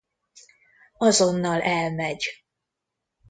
Azonnal elmegy.